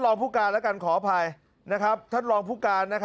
ไม่รู้